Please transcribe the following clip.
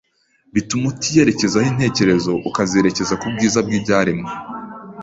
Bituma utiyerekezaho intekerezo ukazerekeza ku bwiza bw’ibyaremwe.